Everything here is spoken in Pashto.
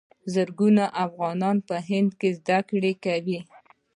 زرګونه افغانان په هند کې زده کړې کوي.